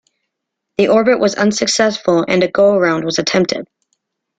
The orbit was unsuccessful and a go around was attempted.